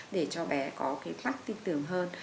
để cho bé có cái mắt tin tưởng hơn